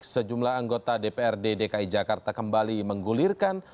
sejumlah anggota dprd dki jakarta kembali menggulirkan